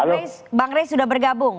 oke bang ray sudah bergabung